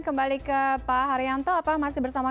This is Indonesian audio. kembali ke pak haryanto apa masih bersama